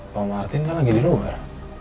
pak martin kan lagi di luar